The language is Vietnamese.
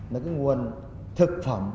nói cái nguồn thực phẩm